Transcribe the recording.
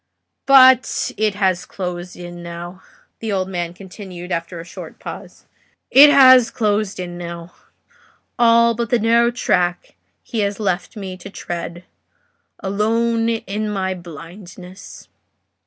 But it has closed in now," the old man continued, after a short pause; "it has closed in now;—all but the narrow track he has left me to tread—alone in my blindness."